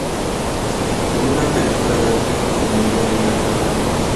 Como una película de arte… como yo veía cada momento.